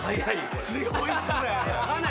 強いっすね。